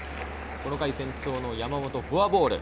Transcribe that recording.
この回、先頭の山本はフォアボール。